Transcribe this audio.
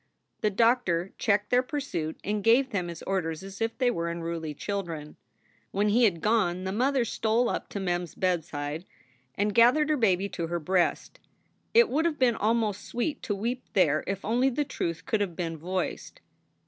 The doctor checked their pursuit and gave them his orders as if they were unruly children. When he had gone the mother stole up to Mem s bedside and gathered her baby to her breast. It would have been almost sweet to weep there if only the truth could have been voiced.